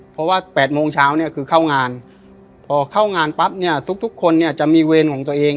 เพราะว่า๘โมงเช้าเนี่ยคือเข้างานพอเข้างานปั๊บเนี่ยทุกคนเนี่ยจะมีเวรของตัวเอง